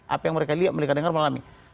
apa yang mereka lihat mereka dengar melalui